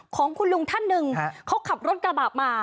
ของคุณลุงท่านหนึ่งเขาขับรถกระบะมา